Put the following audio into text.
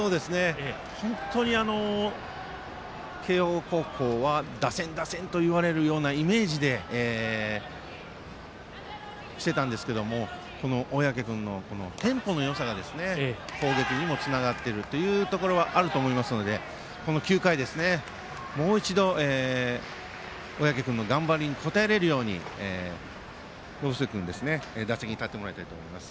本当に慶応高校は打線、打線といわれるイメージをしていたんですけれども小宅君のテンポのよさが後続にもつながっていることがあると思いますので９回、もう一度小宅君の頑張りに応えられるように延末君打席に立ってもらいたいと思います。